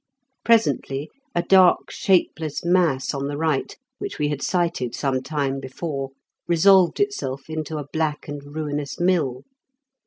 Presently a dark shapeless mass on the right, which we had sighted some time before, resolved itself into a black and ruinous mill.